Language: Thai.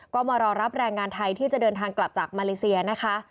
ก็มารอรับแรงงานไทยที่จะเดินทางกลับจากมาเลเซียนะคะ